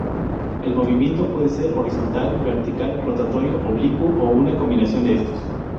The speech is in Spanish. El movimiento puede ser horizontal, vertical, rotatorio, oblicuo o una combinación de estos.